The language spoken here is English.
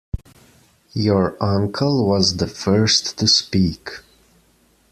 Your uncle was the first to speak.